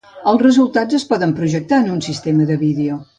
Els resultats es poden projectar en un sistema de vídeo.